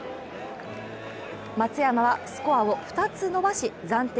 松山はスコアを２つ伸ばし暫定